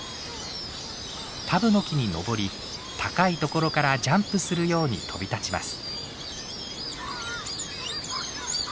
タブノキに登り高いところからジャンプするように飛び立ちます。